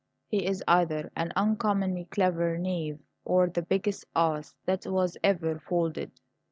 He is either an uncommonly clever knave, or the biggest ass that was ever foaled.